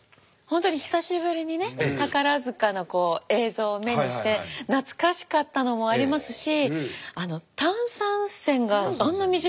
本当に久しぶりにね宝塚の映像を目にして懐かしかったのもありますし。